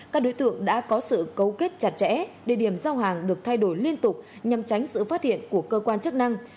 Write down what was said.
các đối tượng đã có sự cấu kết chặt chẽ địa điểm giao hàng được thay đổi liên tục nhằm tránh sự phát hiện của cơ quan chức năng